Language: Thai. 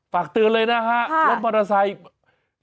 ฝากเตือนเลยนะฮะรถมอเตอร์ไซค์